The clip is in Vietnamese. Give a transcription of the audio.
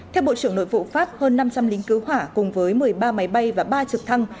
theo bộ trưởng nội vụ pháp hơn năm trăm linh lính cứu hỏa cùng với một mươi ba máy bay và ba trực thăng